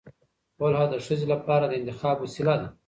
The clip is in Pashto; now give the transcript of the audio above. خلع د ښځې لپاره د انتخاب وسیله ده.